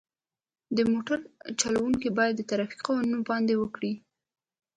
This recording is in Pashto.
د موټر چلوونکي باید د ترافیکي قوانینو پابندي وکړي.